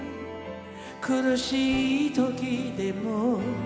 「苦しいときでも」